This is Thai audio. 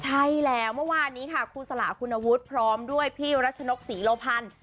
ใช่แล้วเมื่อวานนี้ค่ะครูสลาคุณวุฒิพร้อมด้วยพี่รัชนกศรีโลพันธ์